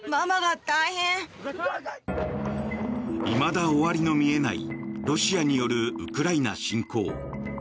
いまだ終わりの見えないロシアによるウクライナ侵攻。